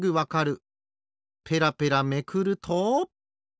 ペラペラめくると。